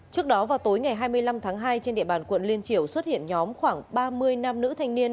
trước đó vào tối ngày hai mươi năm tháng hai trên địa bàn quận liên triều xuất hiện nhóm khoảng ba mươi nam nữ thanh niên